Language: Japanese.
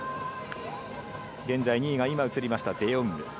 現在２位が今、映りましたデ・ヨング。